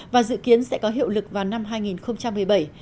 và dự kiến sẽ có hiệu lực vào năm hai nghìn một mươi bảy